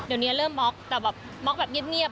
เดี๋ยวนี้เริ่มม็อกแต่แบบม็อกแบบเงียบ